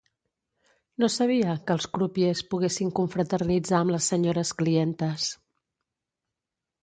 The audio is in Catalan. No sabia que els crupiers poguessin confraternitzar amb les senyores clientes.